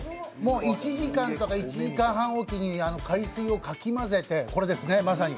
もう１時間とか１時間半置きに海水をかき混ぜて。